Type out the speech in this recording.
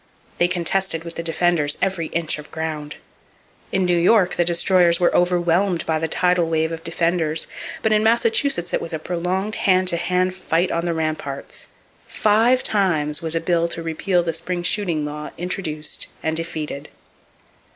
They contested with the Defenders every inch of ground. In New York, the Destroyers were overwhelmed by the tidal wave of Defenders, but in Massachusetts it was a prolonged hand to hand fight on the ramparts. Five times was a bill to repeal the spring shooting law introduced and defeated!